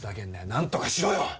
なんとかしろよ！